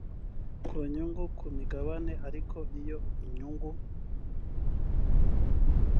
ku nyungu ku migabane ariko iyo nyungu